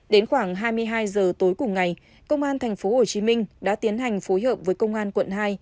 đến khoảng hai mươi hai giờ tối cùng ngày công an tp hcm đã tiến hành phối hợp với công an quận hai